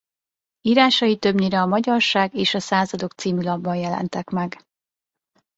Írásai többnyire a Magyarság és a Századok c. lapban jelentek meg.